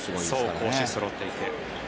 攻守そろっていて。